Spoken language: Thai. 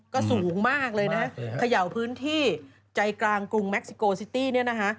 ก็สูงมากเลยนะเขย่าพื้นที่ใจกลางกรุงเม็กซิโกซิตี้เนี่ยนะคะ